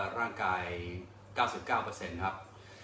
ร่างกาย๙๙ครับ